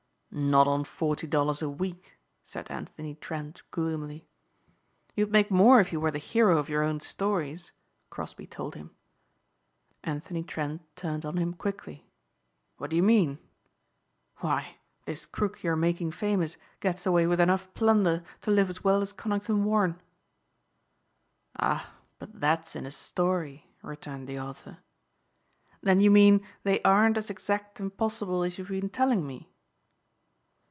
"Not on forty dollars a week," said Anthony Trent gloomily. "You'd make more if you were the hero of your own stories," Crosbeigh told him. Anthony Trent turned on him quickly, "What do you mean?" "Why this crook you are making famous gets away with enough plunder to live as well as Conington Warren." "Ah, but that's in a story," returned the author. "Then you mean they aren't as exact and possible as you've been telling me?"